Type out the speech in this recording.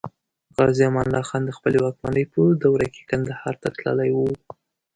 غازي امان الله خان د خپلې واکمنۍ په دوره کې کندهار ته تللی و.